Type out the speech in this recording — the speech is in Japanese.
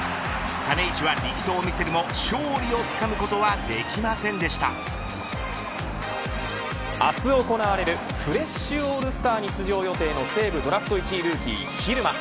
種市は力投を見せるも勝利をつかむことは明日行われるフレッシュオールスターに出場予定の、西武ドラフト１位ルーキー蛭間。